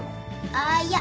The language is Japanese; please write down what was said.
ああいや。